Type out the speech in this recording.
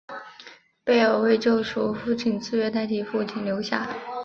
贝儿为救出父亲自愿代替父亲留下。